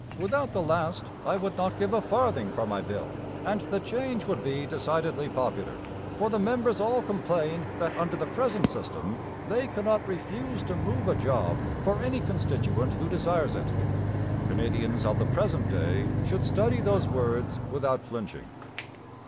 Without the last I would not give a farthing for my bill: and the change would be decidedly popular; for the members all complain that under the present system they cannot refuse to move a job for any constituent who desires it.' Canadians of the present day should study those words without flinching.